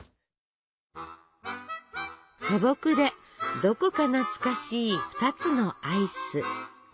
素朴でどこか懐かしい２つのアイス！